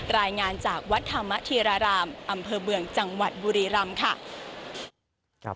รายงานจากวัดธรรมธีรารามอำเภอเมืองจังหวัดบุรีรำค่ะ